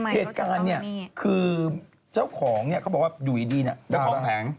เหตุการณ์นี่คือเจ้าของเขาบอกว่าอยู่อีดีแล้วของแผง